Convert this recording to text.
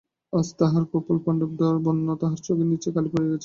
আজ তাহার কপোল পাণ্ডুবর্ণ, তাহার চোখের নীচে কালি পড়িয়া গেছে।